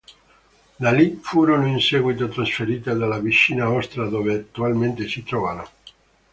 Da lì furono in seguito trasferite nella vicina Ostra, dove attualmente si trovano.